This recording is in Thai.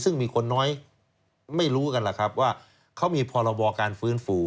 ซึ่งมีคนน้อยไม่รู้กันแหละครับว่าเขามีพรบการฟื้นฟู